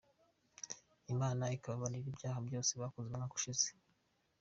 Imana ikabababarira ibyaha byose bakoze umwaka ushize.